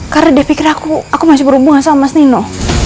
karena dia pikir aku masih berhubungan sama mas nino